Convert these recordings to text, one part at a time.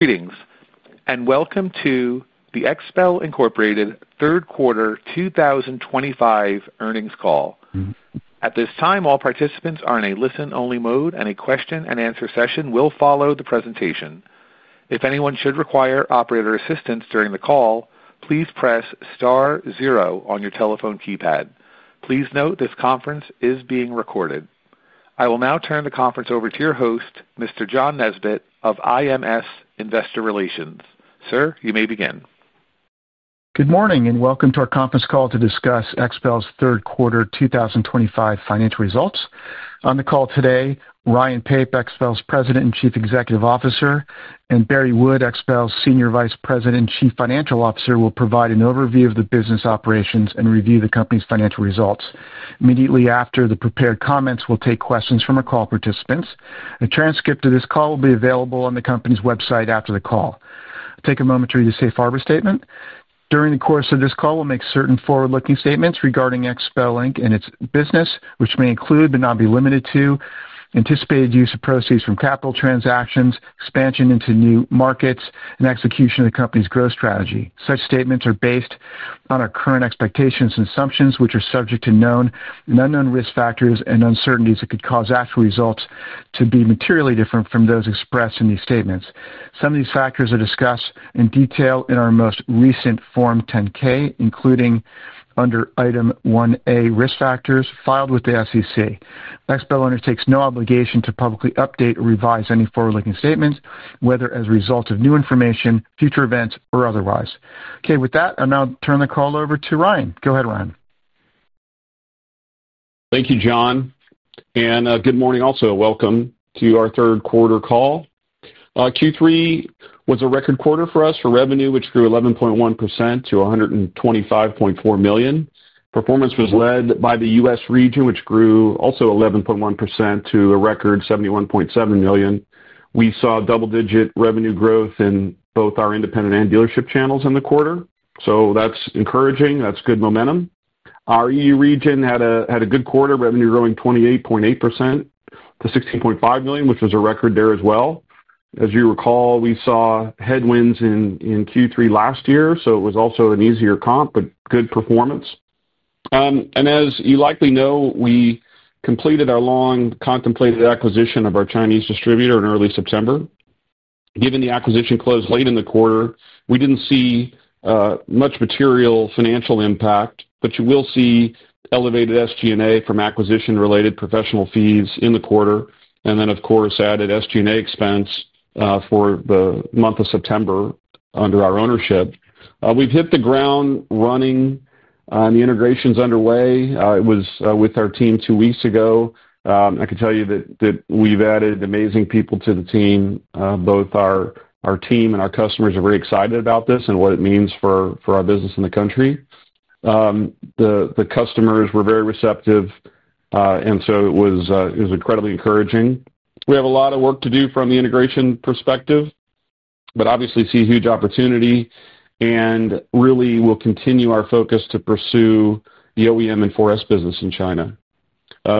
Greetings and welcome to the XPEL third quarter 2025 earnings call. At this time, all participants are in a listen-only mode and a question and answer session will follow the presentation. If anyone should require operator assistance during the call, please press star zero on your telephone keypad. Please note this conference is being recorded. I will now turn the conference over to your host, Mr. John Nesbett of IMS Investor Relations. Sir, you may begin. Good morning and welcome to our conference call to discuss XPEL's third quarter 2025 financial results. On the call today, Ryan Pape, XPEL's President and Chief Executive Officer, and Barry Wood, XPEL Senior Vice President, Chief Financial Officer, will provide an overview of the business operations and review the Company's financial results. Immediately after the prepared comments, we'll take questions from our call participants. A transcript of this call will be available on the Company's website. Please take a moment to read the safe harbor statement. During the course of this call, we'll make certain forward-looking statements regarding XPEL and its business, which may include, but not be limited to, anticipated use of proceeds from capital transactions, expansion into new markets, and execution of the Company's growth strategy. Such statements are based on our current expectations and assumptions which are subject to known and unknown risk factors and uncertainties that could cause actual results to be materially different from those expressed in these statements. Some of these factors are discussed in detail in our most recent Form 10-K, including under Item 1A Risk Factors filed with the SEC. XPEL takes no obligation to publicly update or revise any forward looking statements, whether as a result of new information, future events or otherwise. Okay with that, I'll now turn the call over to Ryan. Go ahead Ryan. Thank you John and good morning. Also, welcome to our third quarter call. Q3 was a record quarter for us for revenue which grew 11.1% to $125.4 million. Performance was led by the US region which grew also 11.1% to a record $71.7 million. We saw double digit revenue growth in both our independent and dealership channels in the quarter, so that's encouraging. That's good momentum. Our EU region had a good quarter, revenue growing 28.8% to $16.5 million, which was a record there as well. As you recall, we saw headwinds in Q3 last year, so it was also an easier comp but good performance. As you likely know, we completed our long contemplated acquisition of our Chinese distributor in early September. Given the acquisition closed late in the quarter, we did not see much material financial impact, but you will see elevated SG&A from acquisition related professional fees in the quarter and then of course added SG&A expense for the month of September. Under our ownership, we have hit the ground running. The integration is underway. It was with our team two weeks ago. I can tell you that we have added amazing people to the team. Both our team and our customers are very excited about this and what it means for our business in the country. The customers were very receptive and it was incredibly encouraging. We have a lot of work to do from the integration perspective, but obviously see a huge opportunity and really we will continue our focus to pursue the OEM and 4S business in China.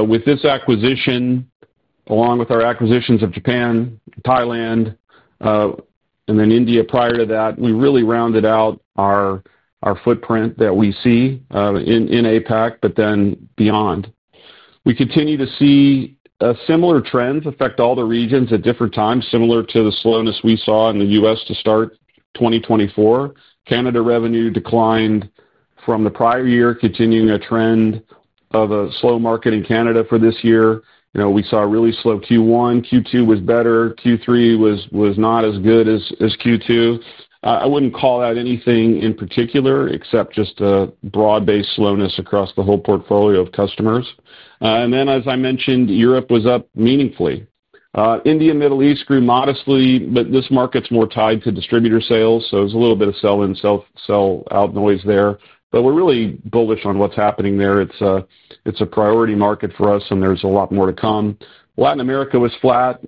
With this acquisition, along with our acquisitions of Japan, Thailand, and then India prior to that, we really rounded out our footprint that we see in APAC. Beyond that, we continue to see similar trends affect all the regions at different times. Similar to the slowness we saw in the U.S. to start 2024, Canada revenue declined from the prior year, continuing a trend of a slow market. In Canada for this year, we saw a really slow Q1. Q2 was better. Q3 was not as good as Q2. I would not call out anything in particular except just a broad-based slowness across the whole portfolio of customers. As I mentioned, the U.S. was up meaningfully. India and Middle East grew modestly, but this market is more tied to distributor sales, so there is a little bit of sell-in, sell-out noise there, but we are really bullish on what is happening there. It's a priority market for us and there's a lot more to come. Latin America was flat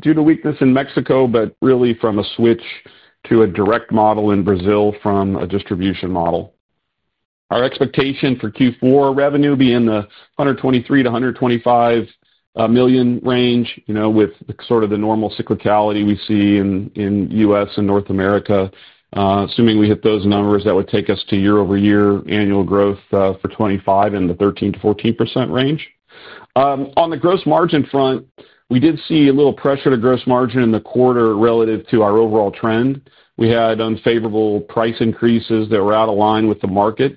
due to weakness in Mexico, but really from a switch to a direct model in Brazil, from a distribution model. Our expectation for Q4 revenue being the $123 million-$125 million range, you know, with sort of the normal cyclicality we see in U.S. and North America, assuming we hit those numbers, that would take us to year-over-year annual growth for 2025 in the 13%-14% range. On the gross margin front, we did see a little pressure to gross margin in the quarter relative to our overall trend. We had unfavorable price increases that were out of line with the market,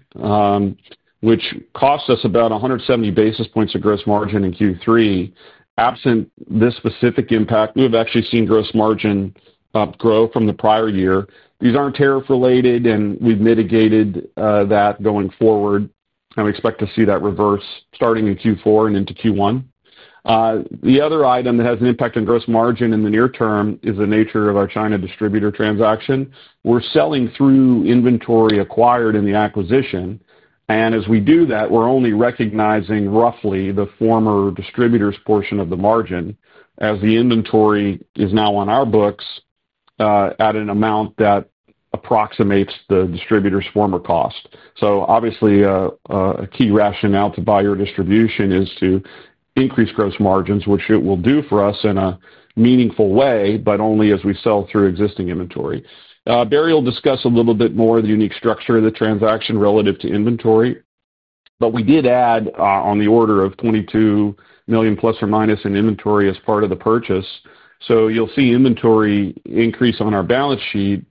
which cost us about 170 basis points of gross margin in Q3. Absent this specific impact, we have actually seen gross margin grow from the prior year. These aren't tariff related and we've mitigated that going forward and we expect to see that reverse starting in Q4 and into Q1. The other item that has an impact on gross margin in the near term is the nature of our China distributor transaction. We're selling through inventory acquired in the acquisition. As we do that, we're only recognizing roughly the former distributor's portion of the margin as the inventory is now on our books at an amount that approximates the distributor's former cost. Obviously a key rationale to buy your distribution is to increase gross margins, which it will do for us in a meaningful way, but only as we sell through existing inventory. Barry will discuss a little bit more the unique structure of the transaction relative to inventory. We did add on the order of $22 million plus or minus in inventory as part of the purchase. You will see inventory increase on our balance sheet.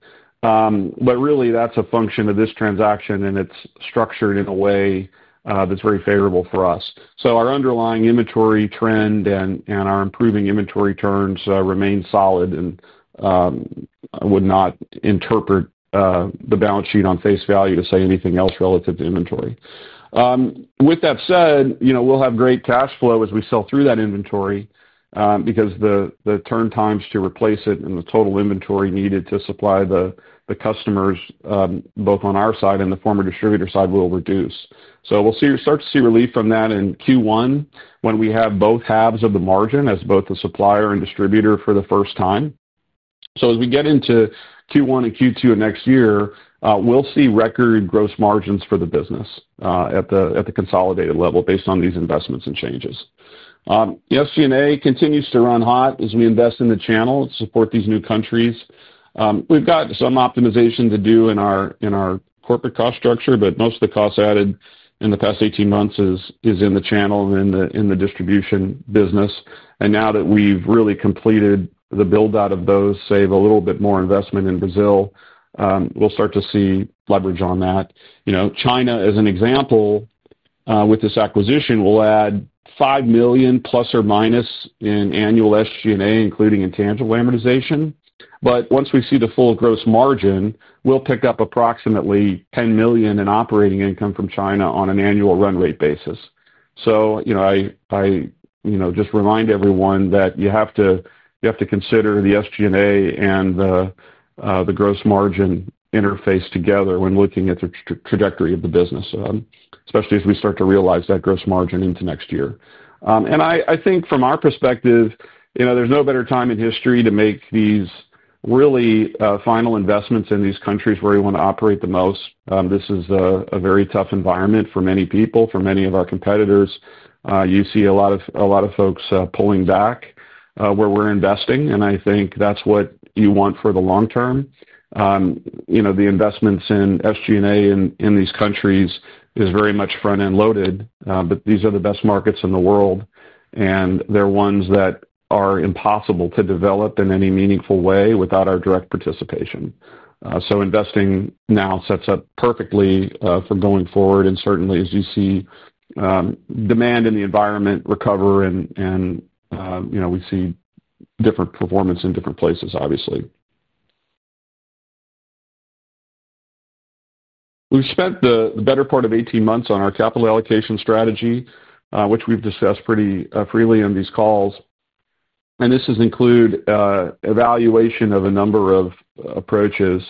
That is really a function of this transaction and it is structured in a way that is very favorable for us. Our underlying inventory trend and our improving inventory turns remain solid. I would not interpret the balance sheet on face value to say anything else relative to inventory. With that said, you know, we will have great cash flow as we sell through that inventory because the turn times to replace it and the total inventory needed to supply the customers both on our side and the former distributor side will reduce. We will start to see relief from that in Q1 when we have both halves of the margin as both the supplier and distributor for the first time. As we get into Q1 and Q2 of next year, we'll see record gross margins for the business at the consolidated level based on these investments and changes. The SG&A continues to run hot as we invest in the channel to support these new countries. We've got some optimization to do in our corporate cost structure. Most of the cost added in the past 18 months is in the channel and in the distribution business. Now that we've really completed the build out of those, save a little bit more investment in Brazil, we'll start to see leverage on that. You know, China as an example with this acquisition will add $5 million plus or minus in annual SG&A including intangible amortization. Once we see the full gross margin, we'll pick up approximately $10 million in operating income from China on an annual run rate basis. You know, I just remind everyone that you have to consider the SG&A and the gross margin interface together when looking at the trajectory of the business, especially as we start to realize that gross margin into next year. I think from our perspective, you know, there is no better time in history to make these really final investments in these countries where we want to operate the most. This is a very tough environment for many people, for many of our competitors. You see a lot of folks pulling back where we are investing. I think that is what you want for the long term. You know, the investments in SG&A in these countries is very much front end loaded. These are the best markets in the world and they're ones that are impossible to develop in any meaningful way without our direct participation. Investing now sets up perfectly for going forward. Certainly as you see demand in the environment recover and, you know, we see different performance in different places. Obviously we've spent the better part of 18 months on our capital allocation strategy, which we've discussed pretty freely on these calls. This has included evaluation of a number of approaches,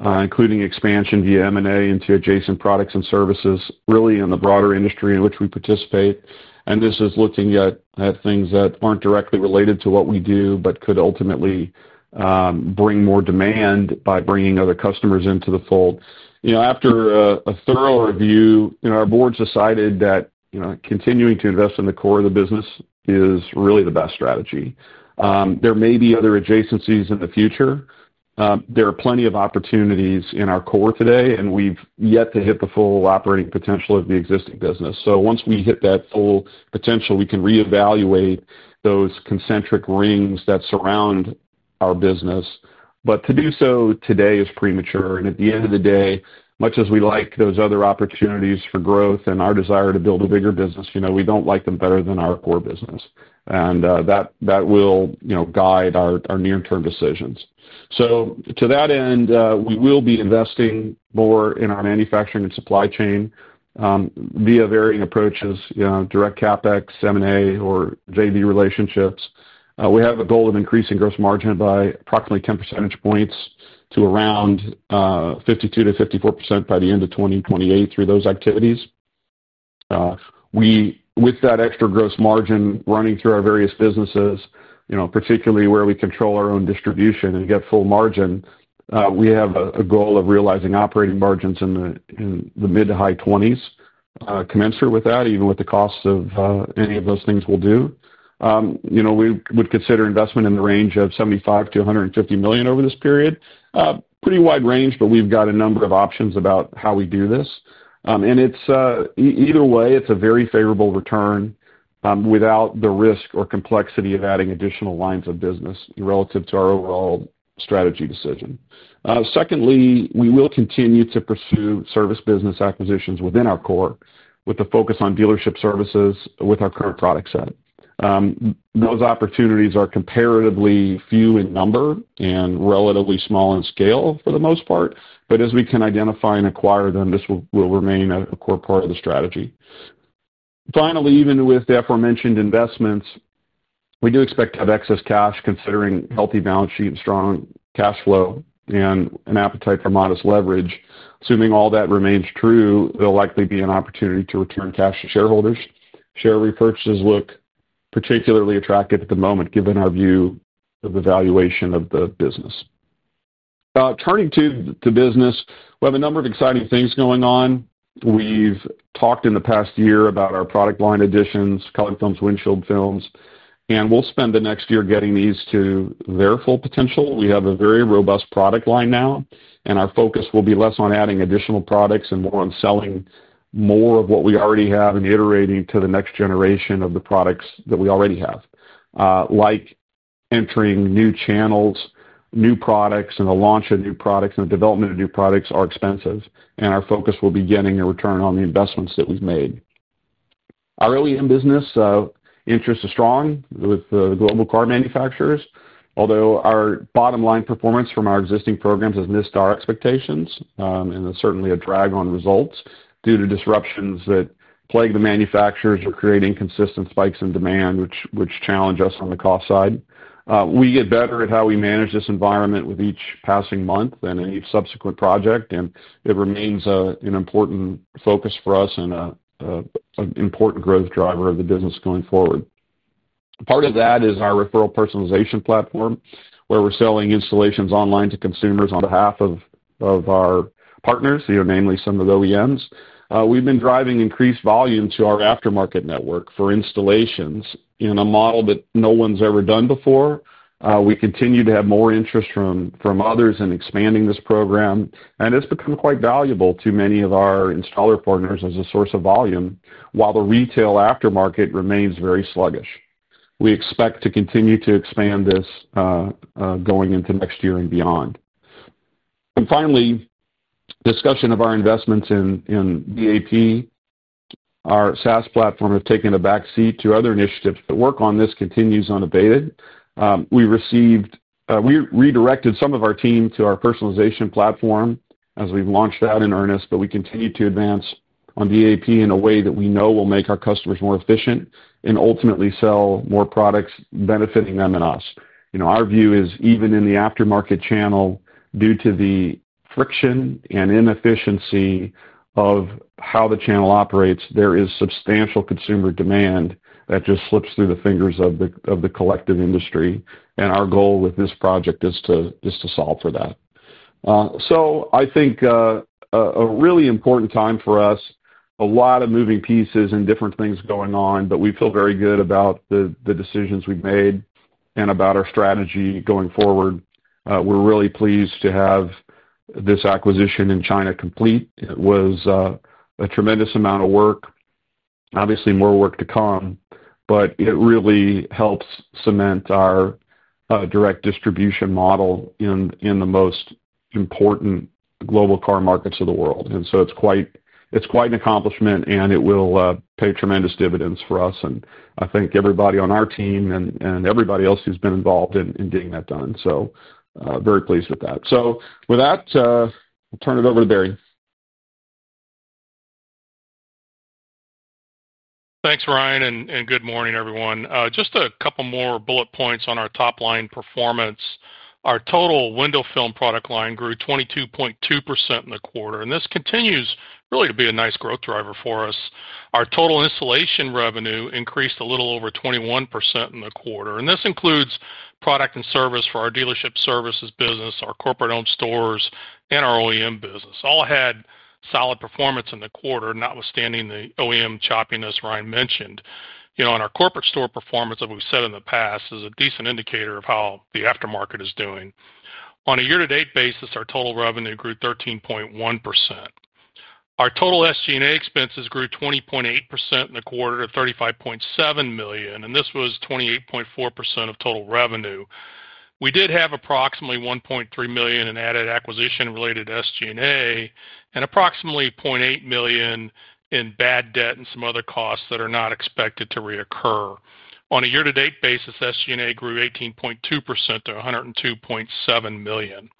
including expansion via M&A into adjacent products and services, really in the broader industry in which we participate. This is looking at things that aren't directly related to what we do, but could ultimately bring more demand by bringing other customers into the fold. You know, after a thorough review, our boards decided that continuing to invest in the core of the business is really the best strategy. There may be other adjacencies in the future. There are plenty of opportunities in our core today and we've yet to hit the full operating potential of the existing business. Once we hit that full potential, we can reevaluate those concentric rings that surround our business. To do so today is premature. At the end of the day, much as we like those other opportunities for growth and our desire to build a bigger business, you know, we do not like them better than our core business and that, that will, you know, guide our near term decisions. To that end we will be investing more in our manufacturing and supply chain via varying approaches, you know, direct CapEx, M&A, or JV relationships. We have a goal of increasing gross margin by approximately 10 percentage points to around 52%-54% by the end of 2028. Through those activities we, with that extra gross margin running through our various businesses, you know, particularly where we control our own distribution and get full margin, we have a goal of realizing operating margins in the mid to high twenties commensurate with that. Even with the cost of any of those things we'll do, you know, we would consider investment in the range of $75 million-$150 million over this period. Pretty wide range, but we've got a number of options about how we do this, and it's either way, it's a very favorable return without the risk or complexity of adding additional lines of business relative to our overall strategy decision. Secondly, we will continue to pursue service business acquisitions within our core with the focus on dealership services with our current product set. Those opportunities are comparatively few in number and relatively small in scale for the most part, but as we can identify and acquire them, this will remain a core part of the strategy. Finally, even with the aforementioned investments, we do expect to have excess cash, considering healthy balance sheet and strong cash flow and an appetite for modest leverage. Assuming all that remains true, there'll likely be an opportunity to return cash to shareholders. Share repurchases look particularly attractive at the moment given our view of the valuation of the business. Turning to the business we have a number of exciting things going on. We've talked in the past year about our product line additions, colored films, windshield films, and we'll spend the next year getting these to their full potential. We have a very robust product line now and our focus will be less on adding additional products and more on selling more of what we already have and iterating to the next generation of the products that we already have. Like entering new channels, new products and the launch of new products and development of new products are expensive and our focus will be getting a return on the investments that we've made. Our OEM business interest is strong with the global car manufacturers, although our bottom line performance from our existing programs has missed our expectations and it's certainly a drag on results due to disruptions that plague the manufacturers are creating consistent spikes in demand which challenge us on the cost side. We get better at how we manage this environment with each passing month and any subsequent project, and it remains an important focus for us and an important growth driver of the business going forward. Part of that is our referral personalization platform where we're selling installations online to consumers on behalf of our partners, namely some of the OEMs. We've been driving increased volume to our aftermarket network for installations in a model that no one's ever done before. We continue to have more interest from others in expanding this program and it has become quite valuable to many of our installer partners as a source of volume, while the retail aftermarket remains very sluggish. We expect to continue to expand this going into next year and beyond. Finally, discussion of our investments in DAP, our SaaS platform, have taken a backseat to other initiatives. The work on this continues unabated. We redirected some of our team to our personalization platform as we have launched out in earnest. We continue to advance on DAP in a way that we know will make our customers more efficient and ultimately sell more products, benefiting them and us. You know, our view is, even in the aftermarket channel, due to the friction and inefficiency of how the channel operates, there is substantial consumer demand that just slips through the fingers of the collective industry. Our goal with this project is to, is to solve for that. I think a really important time for us, a lot of moving pieces and different things going on, but we feel very good about the decisions we've made and about our strategy going forward. We're really pleased to have this acquisition in China complete. It was a tremendous amount of work. Obviously more work to come, but it really helps cement our direct distribution model in the most important global car markets of the world. It is quite an accomplishment and it will pay tremendous dividends for us. I thank everybody on our team and everybody else who's been involved in getting that done. Very pleased with that. With that, I'll turn it over to Barry. Thanks Ryan and good morning everyone. Just a couple more bullet points on our top line performance. Our total window film product line grew 22.2% in the quarter. This continues really to be a nice growth driver for us. Our total insulation revenue increased a little over 21% in the quarter. This includes product and service for our dealership services business. Our corporate owned stores and our OEM business all had solid performance in the quarter, notwithstanding the OEM choppiness Ryan mentioned. You know, our corporate store performance, as we've said in the past, is a decent indicator of how the aftermarket is doing. On a year to date basis, our total revenue grew 13.1%. Our total SG&A expenses grew 20.8% in the quarter to $35.7 million. This was 28.4% of total revenue. We did have approximately $1.3 million in added acquisition related SG&A and approximately $0.8 million in bad debt and some other costs that are not expected to reoccur. On a year to date basis, SG&A grew 18.2% to $102.7 million.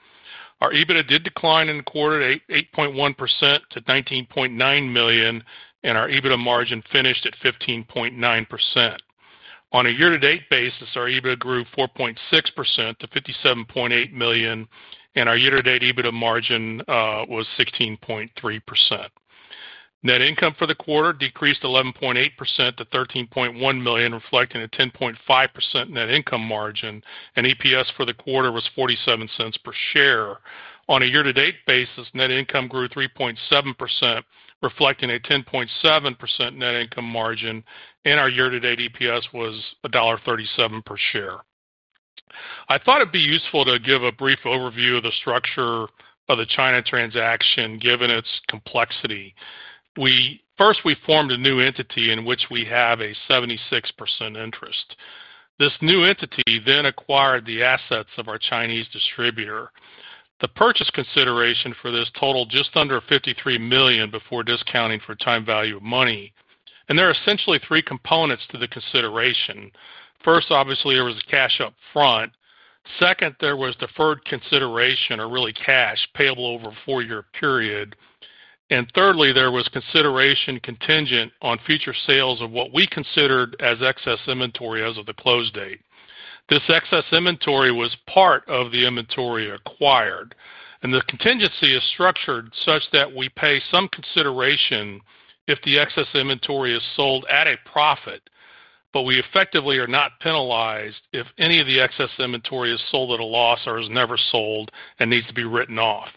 Our EBITDA did decline in the quarter 8.1% to $19.9 million. Our EBITDA margin finished at 15.9%. On a year to date basis, our EBITDA grew 4.6% to $57.8 million. Our year to date EBITDA margin was 16.3%. Net income for the quarter decreased 11.8% to $13.1 million reflecting a 10.5% net income margin. EPS for the quarter was $0.47 per share. On a year to date basis, net income grew 3.7% reflecting a 10.7% net income margin. Our year to date EPS was $1.37 per share. I thought it'd be useful to give a brief overview of the structure of the China transaction given its complexity. First, we formed a new entity in which we have a 76% interest. This new entity then acquired the assets of our Chinese distributor. The purchase consideration for this totaled just under $53 million before discounting for time value of money. There are essentially three components to the consideration. First, obviously there was cash up front. Second, there was deferred consideration or really cash payable over a four year period. Thirdly, there was consideration contingent on future sales of what we considered as excess inventory as of the close date. This excess inventory was part of the inventory acquired and the contingency is structured such that we pay some consideration if the excess inventory is sold at a profit, but we effectively are not penalized if any of the excess inventory is sold at a loss or is never sold and needs to be written off.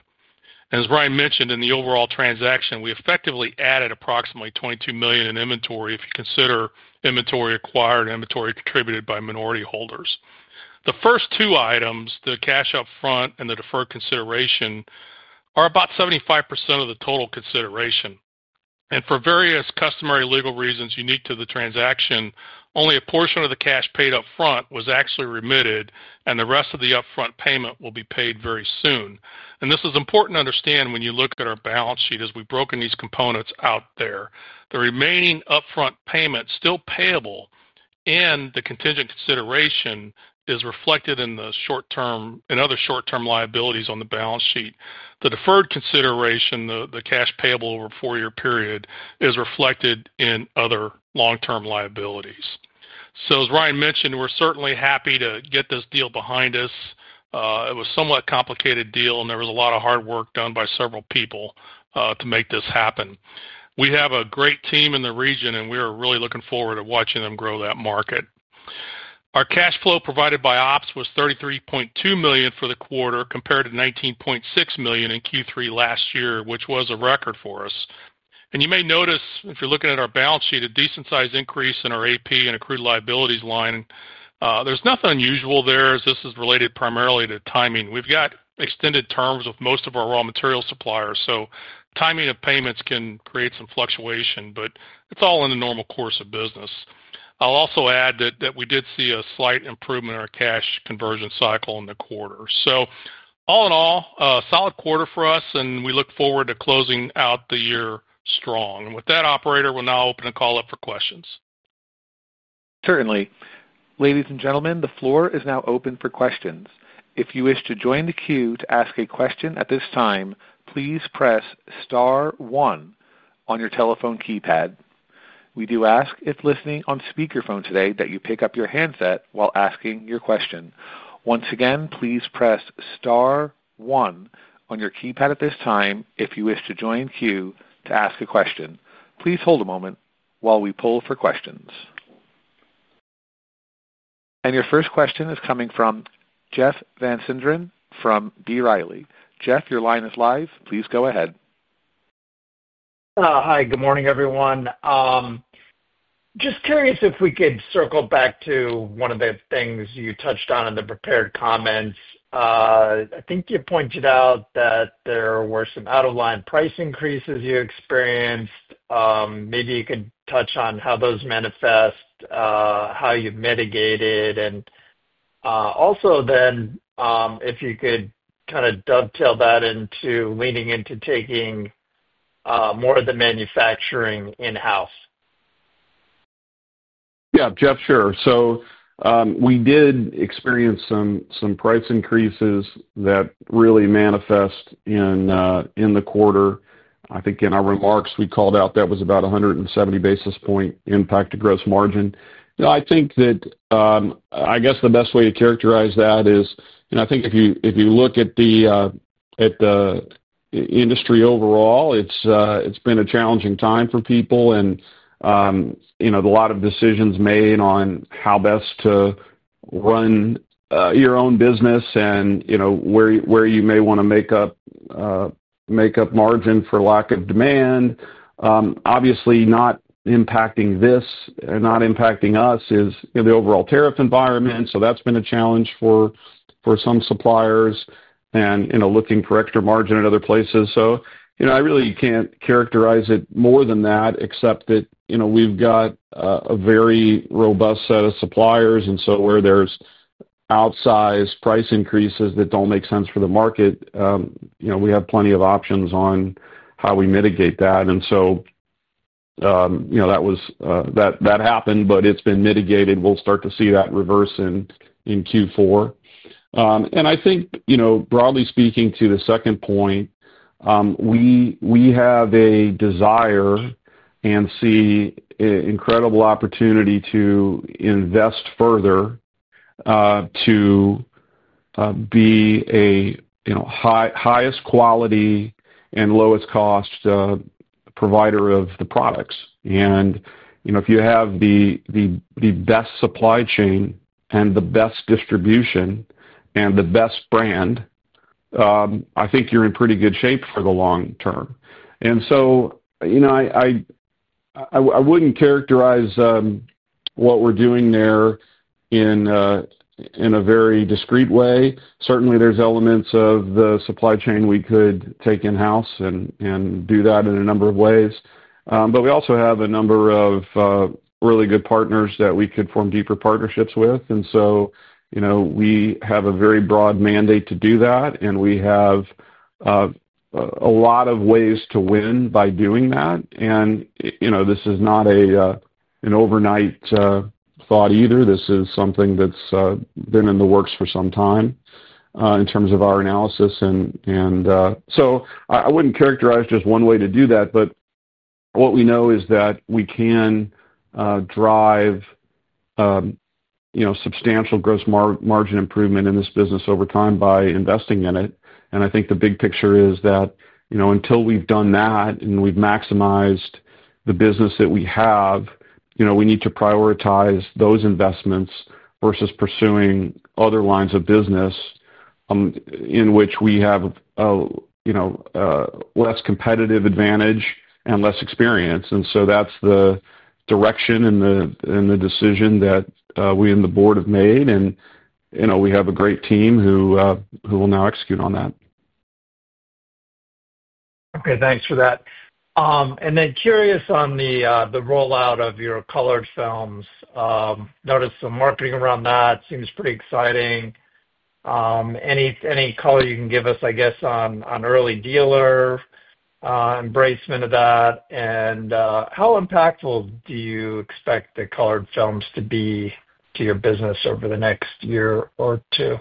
As Barry mentioned, in the overall transaction we effectively added approximately $22 million in inventory. If you consider inventory acquired, inventory contributed by minority holders, the first two items, the cash up front and the deferred consideration, are about 75% of the total consideration. For various customary legal reasons unique to the transaction, only a portion of the cash paid up front was actually remitted and the rest of the upfront payment will be paid very soon. This is important to understand when you look at our balance sheet as we've broken these components out there. The remaining upfront payment still payable and the contingent consideration is reflected in the short term and other short term liabilities on the balance sheet. The deferred consideration, the cash payable over a four year period, is reflected in other long term liabilities. As Ryan mentioned, we're certainly happy to get this deal behind us. It was a somewhat complicated deal and there was a lot of hard work done by several people to make this happen. We have a great team in the region and we are really looking forward to watching them grow that market. Our cash flow provided by Ops was $33.2 million for the quarter compared to $19.6 million in Q3 last year, which was a record for us. You may notice if you're looking at our balance sheet, a decent sized increase in our AP and accrued liabilities line. There is nothing unusual there. This is related primarily to timing. We've got extended terms with most of our raw material suppliers so timing of payments can create some fluctuation. It is all in the normal course of business. I'll also add that we did see a slight improvement in our cash conversion cycle in the quarter. All in all, solid quarter for us and we look forward to closing out the year. With that, operator, we'll now open the call up for questions. Certainly. Ladies and gentlemen, the floor is now open for questions. If you wish to join the queue to ask a question at this time, please press star one on your telephone keypad. We do ask if listening on speakerphone today that you pick up your handset while asking your question. Once again, please press star one on your keypad at this time if you wish to join the queue to ask a question. Please hold a moment while we poll for questions. Your first question is coming from Jeff Van Sinderen from B. Riley. Jeff, your line is live. Please go ahead. Hi, good morning everyone. Just curious if we could circle back to one of the things you touched on in the prepared comments. I think you pointed out that there were some out of line price increases you experienced. Maybe you could touch on how those manifest, how you mitigated, and also then if you could kind of dovetail that into leaning into taking more of the manufacturing in house. Yeah, Jeff, sure. We did experience some price increases that really manifest in the quarter. I think in our remarks we called out that was about 170 basis point impact to gross margin. I think that, I guess the best way to characterize that is I think if you look at the industry overall, it's been a challenging time for people and a lot of decisions made on how best to run your own business. You know, where you may want to make up margin for lack of demand. Obviously not impacting this and not impacting us is the overall tariff environment. That's been a challenge for some suppliers and you know, looking for extra margin at other places. You know, I really can't characterize it more than that except that, you know, we've got a very robust set of suppliers and where there's outsized price increases that don't make sense for the market, you know, we have plenty of options on how we mitigate that. That happened, but it's been mitigated. We'll start to see that reverse in Q4. I think, broadly speaking, to the second point, we have a desire and see incredible opportunity to invest further to be a highest quality and lowest cost provider of the products. If you have the best supply chain and the best distribution and the best brand, I think you're in pretty good shape for the long term. You know, I wouldn't characterize what we're doing there in a very discreet way. Certainly there's elements of the supply chain we could take in house and do that in a number of ways. We also have a number of really good partners that we could form deeper partnerships with. You know, we have a very broad mandate to do that and we have a lot of ways to win by doing that. You know, this is not an overnight thought either. This is something that's been in the works for some time in terms of our analysis. I wouldn't characterize just one way to do that. What we know is that we can drive substantial gross margin improvement in this business over time by investing in it. I think the big picture is that until we've done that and we've maximized the business that we have, we need to prioritize those investments versus pursuing other lines of business in which we have less competitive advantage and less experience. That is the direction and the decision that we and the board have made. You know, we have a great team who will now execute on that. Okay, thanks for that. Curious on the rollout of your colored films. Noticed some marketing around that, seems pretty exciting. Any color you can give us, I guess, on early dealer embracement of that? How impactful do you expect the colored films to be to your business over the next year or two?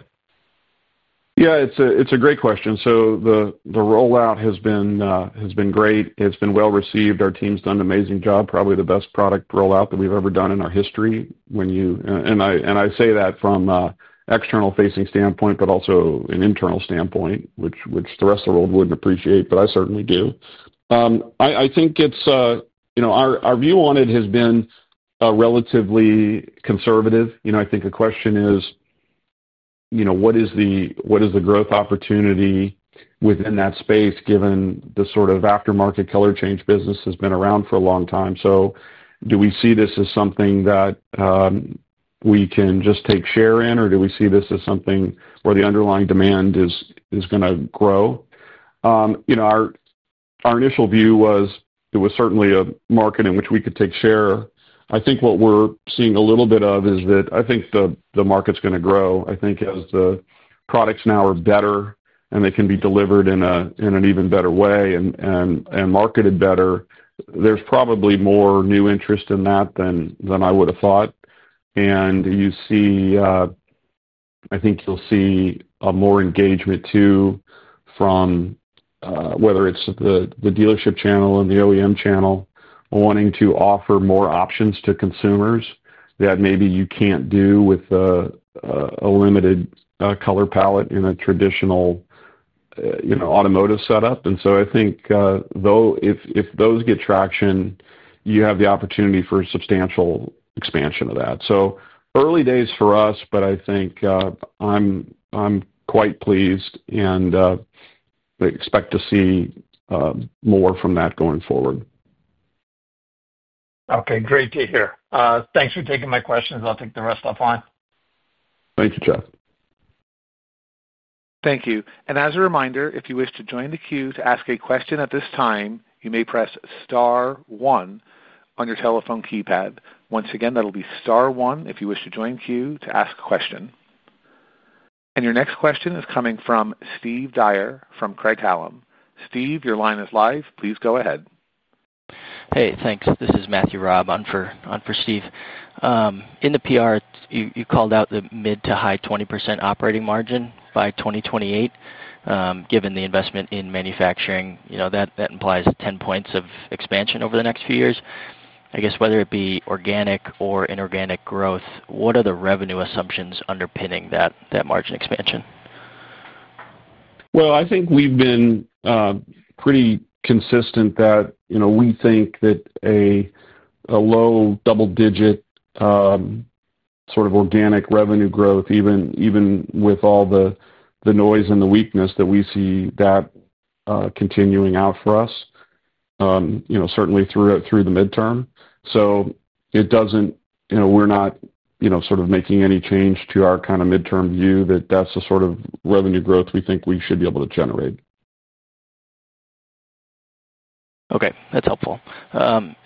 Yeah, it's a great question. The rollout has been great. It's been well received. Our team's done an amazing job. Probably the best product rollout that we've ever done in our history. I say that from an external facing standpoint, but also an internal standpoint, which the rest of the world wouldn't appreciate, but I certainly do. I think it's, you know, our view on it has been relatively conservative. I think the question is, you know, what is the growth opportunity within that space given the sort of aftermarket color change business has been around for a long time. Do we see this as something that we can just take share in or do we see this as something where the underlying demand is going to grow? You know, our initial view was it was certainly a market in which we could take share. I think what we're seeing a little bit of is that I think the market's going to grow. I think as the products now are better and they can be delivered in an even better way and marketed better. There's probably more new interest in that than I would have thought. You see, I think you'll see more engagement too from whether it's the dealership channel and the OEM channel, wanting to offer more options to consumers that maybe you can't do with a limited color palette in a traditional automotive setup. I think if those get traction, you have the opportunity for substantial expansion of that. Early days for us. I think I'm quite pleased and expect to see more from that going forward. Okay, great to hear. Thanks for taking my questions. I'll take the rest offline. Thank you, Jeff. Thank you. As a reminder, if you wish to join the queue to ask a question at this time, you may press star one on your telephone keypad. Once again, that will be star one if you wish to join the queue to ask a question. Your next question is coming from Steve Dyer from Craig-Hallum. Steve, your line is live. Please go ahead. Hey, thanks. This is Matthew Raab on for Steve. In the PR, you called out the mid to high 20% operating margin by 2028. Given the investment in manufacturing, you know, that implies 10 percentage points of expansion over the next few years, I guess, whether it be organic or inorganic growth. What are the revenue assumptions underpinning that margin expansion? I think we've been pretty consistent that we think that a low double digit sort of organic revenue growth, even with all the noise and the weakness that we see, that continuing out for us, you know, certainly throughout, through the midterm. It doesn't, you know, we're not, you know, sort of making any change to our kind of midterm view that that's the sort of revenue growth we think we should be able to generate. Okay, that's helpful.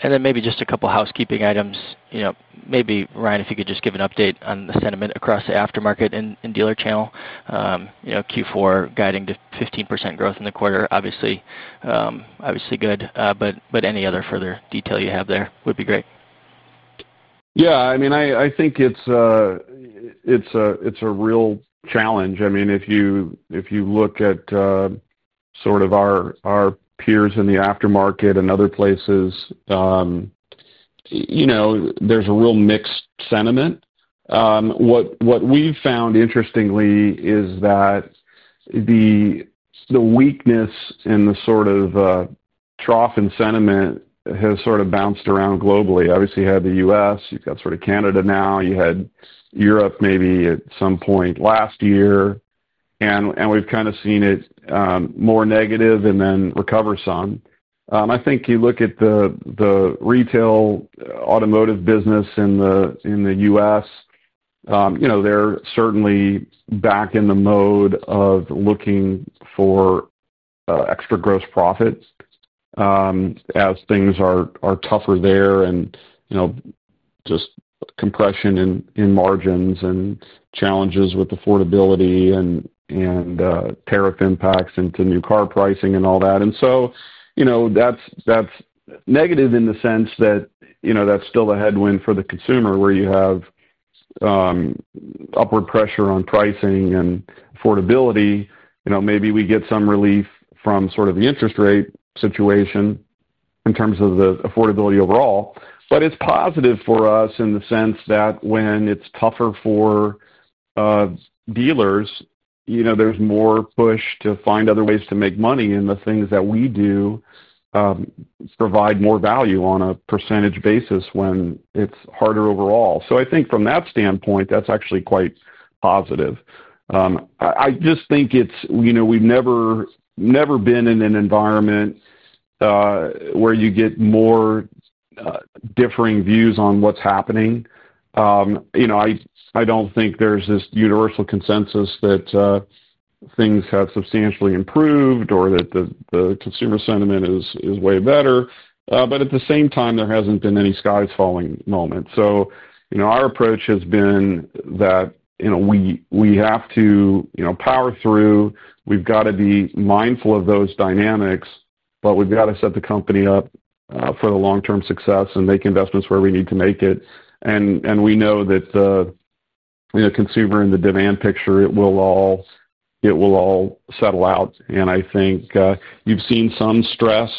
Maybe just a couple housekeeping items, you know, maybe Ryan, if you could just give an update on the sentiment across the aftermarket and dealer channel. Q4 guiding to 15% growth in the quarter, obviously. Good. Any other further detail you have there would be great. Yeah, I mean, I think it's a real challenge. I mean, if you look at sort of our peers in the aftermarket and other places, there's a real mixed sentiment. What we've found interestingly is that the weakness and the sort of trough in sentiment has sort of bounced around globally. Obviously you have the U.S., you've got sort of Canada now, you had Europe maybe at some point last year, and we've kind of seen it more negative and then recover some. I think you look at the retail automotive business in the U.S., you know, they're certainly back in the mode of looking for extra gross profit as things are tougher there and, you know, just compression in margins and challenges with affordability and tariff impacts into new car pricing and all that. You know, that's negative in the sense that, you know, that's still a headwind for the consumer where you. Have. Upward pressure on pricing and affordability. You know, maybe we get some relief from sort of the interest rate situation in terms of the affordability overall, but it is positive for us in the sense that when it is tougher for dealers, you know, there is more push to find other ways to make money and the things that we do provide more value on a percentage basis when it is harder overall. I think from that standpoint that is actually quite positive. I just think it is, you know, we have never been in an environment where you get more differing views on what is happening. You know, I do not think there is this universal consensus that things have substantially improved or that the consumer sentiment is way better. At the same time there has not been any sky falling moment. You know, our approach has been that, you know, we have to, you know, power through. We've got to be mindful of those dynamics, but we've got to set the company up for the long term success and make investments where we need to make it. We know that consumer in the demand picture, it will all, it will all settle out. I think you've seen some stress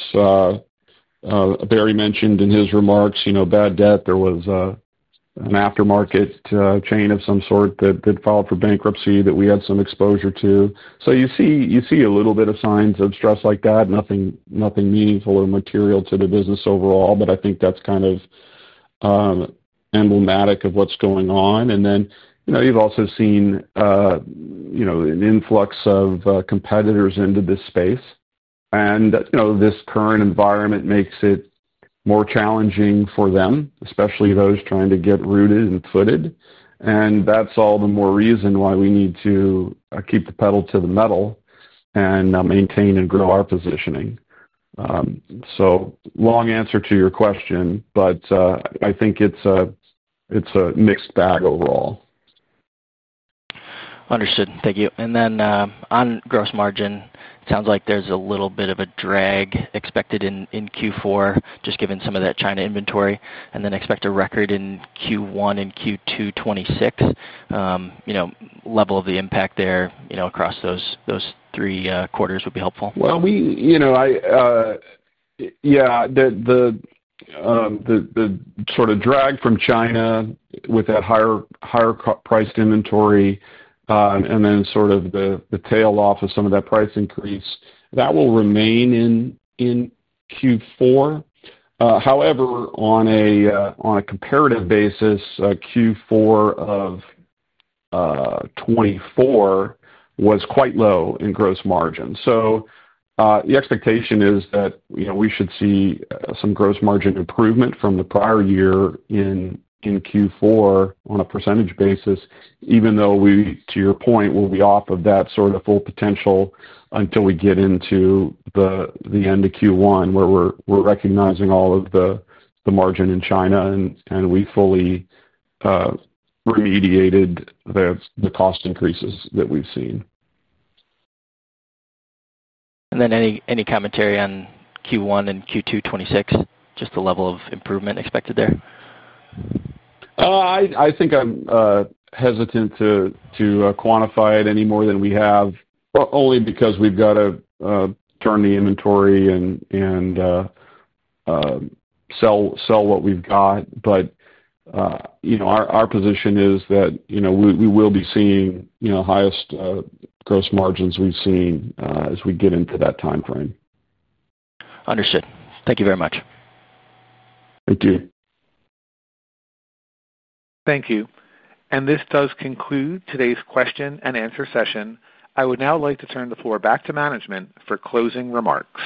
Barry mentioned in his remarks, you know, bad debt. There was an aftermarket chain of some sort that filed for bankruptcy that we had some exposure to. You see a little bit of signs of stress like that. Nothing meaningful or material to the business overall. I think that's kind of emblematic of what's going on. You know, you've also seen, you know, an influx of competitors into this space and, you know, this current environment makes it more challenging for them, especially those trying to get rooted and footed. That is all the more reason why we need to keep the pedal to the metal and maintain and grow our positioning. Long answer to your question, but I think it's a mixed bag overall. Understood, thank you. On gross margin, it sounds like there's a little bit of a drag expected in Q4 just given some of that China inventory. Expect a record in Q1 and Q2 2026, you know, level of the impact there across those three quarters would be helpful. We, you know, yeah, the sort of drag from China with that higher, higher priced inventory and then sort of the tail off of some of that price increase that will remain in Q4. However, on a comparative basis, Q4 of 2024 was quite low in gross margin. The expectation is that, you know, we should see some gross margin improvement from the prior year in Q4 on a percentage basis. Even though we, to your point, will be off of that sort of full potential until we get into the end of Q1 where we are recognizing all of the margin in China and we fully remediated the cost increases that we have seen. Any commentary on Q1 and Q2 2026, just the level of improvement expected there? I think. I'm hesitant to quantify it any more than we have only because we've got to turn the inventory and sell what we've got. Our position is that we will be seeing highest gross margins we've seen as we get into that time frame. Understood. Thank you very much. Thank you. Thank you. This does conclude today's question and answer session. I would now like to turn the floor back to management for closing remarks.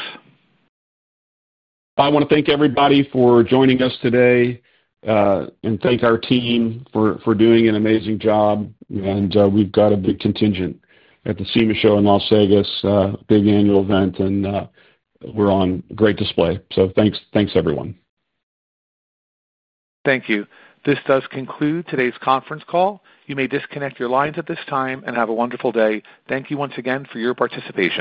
I want to thank everybody for joining us today and thank our team for doing an amazing job. We've got a big contingent at the SEMA show in Las Vegas. Big annual event and we're on great display. Thanks everyone. Thank you. This does conclude today's conference call. You may disconnect your lines at this time and have a wonderful day. Thank you once again for your participation.